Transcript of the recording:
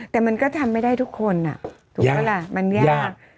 แต่มันก็ทำไม่ได้ทุกคนอะถูกหรือเปล่าล่ะมันยาก